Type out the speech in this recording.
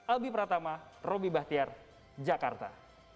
albi pratama roby bahtiar jakarta